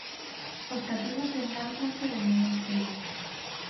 Os cativos engánchanse dende moi cedo.